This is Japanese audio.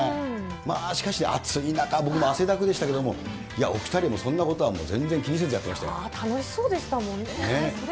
まあ、しかし、暑い中、僕も汗だくでしたけど、いや、お２人はそんなことは全然楽しそうでしたもんね。